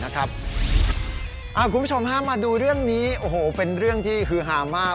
คุณผู้ชมฮะมาดูเรื่องนี้โอ้โหเป็นเรื่องที่ฮือฮามาก